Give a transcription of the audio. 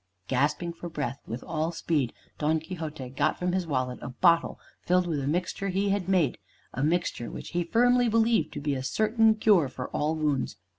Gasping for breath, with all speed Don Quixote got from his wallet a bottle filled with a mixture he had made, a mixture which he firmly believed to be a certain cure for all wounds.